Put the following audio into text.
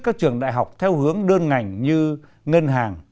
các trường đại học theo hướng đơn ngành như ngân hàng